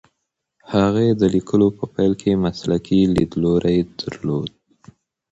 هغې د لیکلو په پیل کې مسلکي لیدلوری درلود.